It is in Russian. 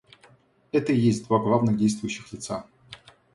Это и есть два главных действующих лица.